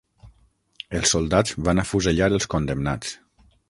Els soldats van afusellar els condemnats.